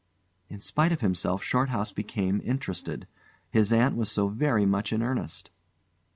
In spite of himself Shorthouse became interested. His aunt was so very much in earnest.